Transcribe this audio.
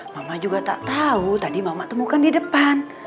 mama juga tak tahu tadi mama temukan di depan